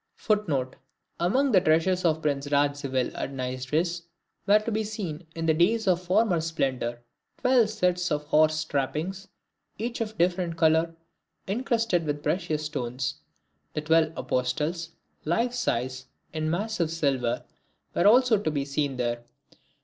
[Footnote: Among the treasures of Prince radziwill at Nieswirz were to be seen, in the days of former splendor, twelve sets of horse trappings, each of a different color, incrusted with precious stones. The twelve Apostles, life size, in massive silver, were also to be seen there.